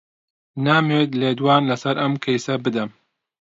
نامەوێت لێدوان لەسەر ئەم کەیسە بدەم.